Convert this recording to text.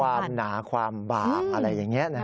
ความหนาความบางอะไรอย่างเงี้ยนะครับ